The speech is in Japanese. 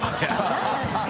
何なんですか？